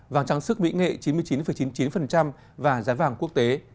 vàng trang sức mỹ nghệ chín mươi chín chín mươi chín và giá vàng quốc tế